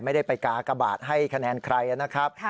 ไม่ได้ไปกากบาทให้คะแนนใครนะครับ